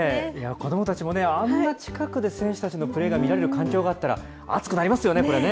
子どもたちもあんな近くで選手たちのプレーが見られる環境があったら、熱くなりますよね、これね。